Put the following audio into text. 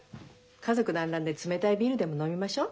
家族団欒で冷たいビールでも飲みましょう？